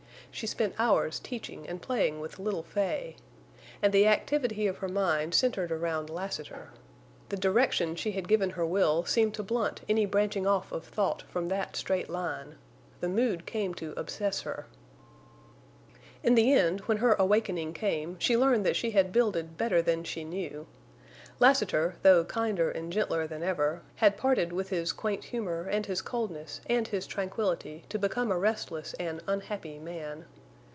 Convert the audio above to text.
She spent hours teaching and playing with little Fay. And the activity of her mind centered around Lassiter. The direction she had given her will seemed to blunt any branching off of thought from that straight line. The mood came to obsess her. In the end, when her awakening came, she learned that she had builded better than she knew. Lassiter, though kinder and gentler than ever, had parted with his quaint humor and his coldness and his tranquillity to become a restless and unhappy man.